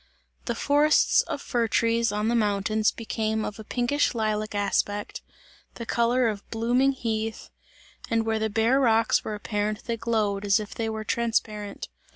The forests of fir trees on the mountains became of a pinkish lilac aspect, the colour of blooming heath, and where the bare rocks were apparent, they glowed as if they were transparent.